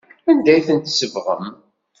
Anda ay tent-tsebɣem?